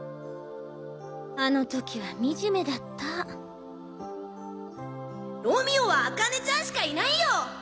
あの時はみじめだったロミオはあかねちゃんしかいないよ！